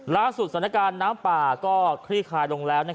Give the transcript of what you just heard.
ล่าสุดสถานการณ์น้ำป่าก็คลี่คลายลงแล้ว